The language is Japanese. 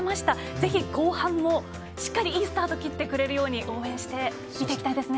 ぜひ、後半もしっかりいいスタート切ってくれるように応援して見ていきたいですね。